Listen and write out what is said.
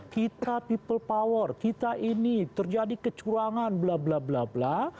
kita people power kita ini terjadi kecurangan bla bla bla bla